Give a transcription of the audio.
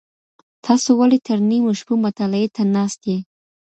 تاسو ولي تر نیمو شپو مطالعې ته ناست یئ؟